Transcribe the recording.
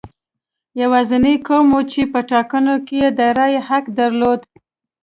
یوازینی قوم و چې په ټاکنو کې د رایې حق یې درلود.